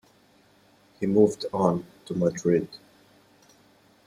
He moved on to Madrid.